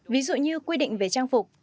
ví dụ như quyền